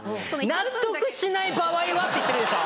「納得しない場合は」って言ってるでしょ。